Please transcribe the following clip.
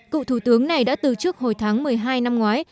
cựu thủ tướng này đã từ chức hồi tháng một mươi hai năm ngoái